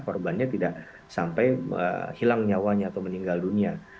korbannya tidak sampai hilang nyawanya atau meninggal dunia